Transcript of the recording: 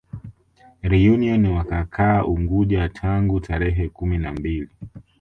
Reunion wakakaa Unguja tangu tarehe kumi na mbili